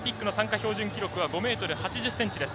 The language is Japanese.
標準記録は５ｍ８０ｃｍです。